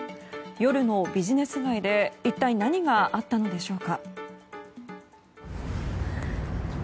夜のビジネス街で一体、何があったのでしょうか。